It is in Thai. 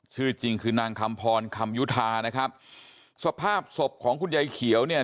ชื่อจริงคือนางคำพรคำยุธานะครับสภาพศพของคุณยายเขียวเนี่ย